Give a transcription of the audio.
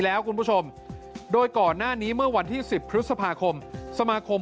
แล้วคุณผู้ชมโดยก่อนหน้านี้เมื่อวันที่๑๐พฤษภาคมสมาคม